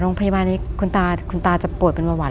โรงพยาบาลนี้คุณตาคุณตาจะป่วยเป็นเบาหวาน